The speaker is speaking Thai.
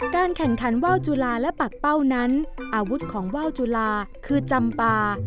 แข่งขันว่าวจุลาและปากเป้านั้นอาวุธของว่าวจุลาคือจำปา